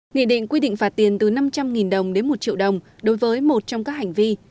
nghị định quy định phạt tiền từ năm trăm linh đồng đến một triệu đồng đối với một trong các hành vi